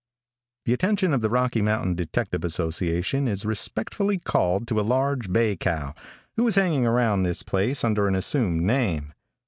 |THE attention of the Rocky Mountain Detective Association is respectfully called to a large bay cow, who is hanging around this place under an assumed name.